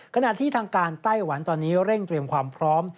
ขณะที่ทางการไต้หวันตอนนี้เร่งเตรียมความพร้อม